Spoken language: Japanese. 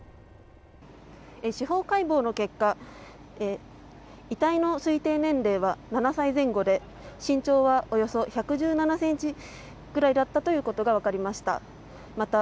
司法解剖の結果遺体の推定年齢は７歳前後で身長はおよそ１１７ｃｍくらいだったということが分かりました。